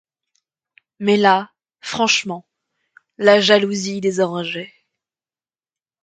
Mais là, franchement, la jalousie les enrageait.